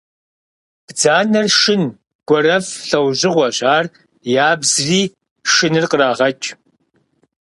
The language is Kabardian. Бдзанэр шын, гуэрэф лӏэужьыгъуэщ, ар ябзри шыныр кърагъэкӏ.